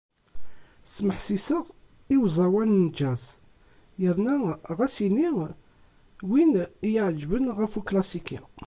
Smeḥsiseɣ i uẓawan n jazz yerna ɣas ini win i y-iεeǧben ɣef uklasiki.